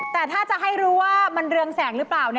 แต่ถ้าจะให้รู้ว่ามันเรืองแสงหรือเปล่า